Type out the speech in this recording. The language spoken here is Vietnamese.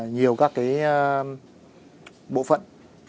nhiều các cái bộ phận